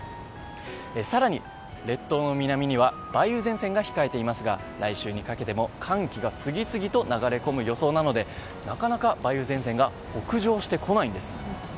更に、列島の南には梅雨前線が控えていますが来週にかけても寒気が次々と流れ込む予想なのでなかなか梅雨前線が北上してこないんです。